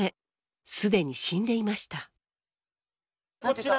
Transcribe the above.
既に死んでいました。